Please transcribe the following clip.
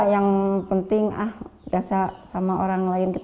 yang penting ah biasa sama orang lain